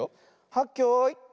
はっけよい。